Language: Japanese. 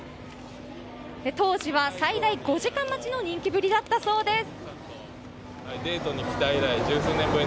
当時は最大５時間待ちの人気ぶりだったそうです。